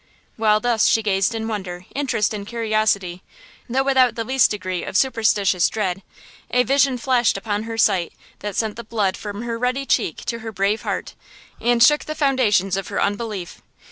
While thus she gazed in wonder, interest and curiosity, though without the least degree of superstitious dread, a vision flashed upon her sight that sent the blood from her ruddy cheek to her brave heart, and shook the foundations of her unbelief!